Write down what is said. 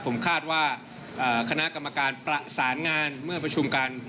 ผมคาดว่าคณะกรรมการประสานงานเมื่อประชุมกัน